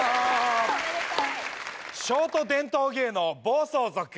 ショート伝統芸能「暴走族」